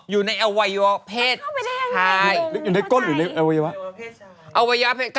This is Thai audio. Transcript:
อยู่ในอวัยวะเพศ